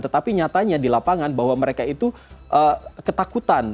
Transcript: tetapi nyatanya di lapangan bahwa mereka itu ketakutan